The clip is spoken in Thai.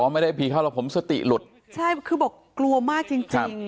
ไม่ได้ผีเข้าแล้วผมสติหลุดใช่คือบอกกลัวมากจริงจริง